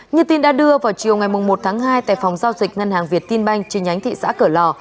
như tin đã đưa vào chiều ngày một tháng hai tại phòng giao dịch ngân hàng việt tin banh trên nhánh thị xã cửa lò